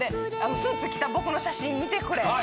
「スーツ着たぼくの写真見てくれ」